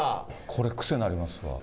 これ、癖になりますわ。